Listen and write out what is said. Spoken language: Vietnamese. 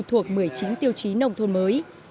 thuộc một mươi chín tiêu chí nông thôn mới